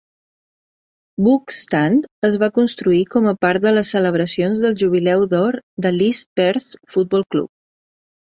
Book Stand es va construir com a part de les celebracions del jubileu d'or de l'East Perth Football Club.